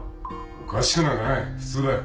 おかしくなんかない普通だよ。